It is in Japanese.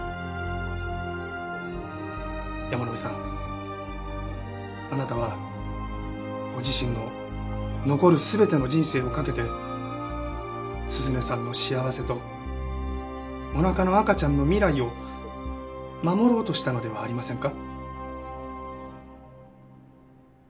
山野辺さんあなたはご自身の残る全ての人生をかけて涼音さんの幸せとお腹の赤ちゃんの未来を守ろうとしたのではありませんか？